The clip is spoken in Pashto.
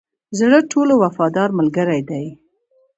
زړه ټولو وفادار ملګری دی.